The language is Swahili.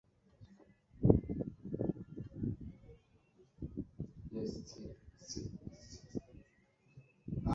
ya laser ilifunua ambayo yenyewe ilikuwa ikifunikwa sehemu